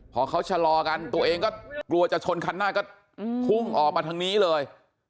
พอเขาชะลอกันตัวเองก็กลัวจะชนคันหน้าก็พุ่งออกมาทางนี้เลย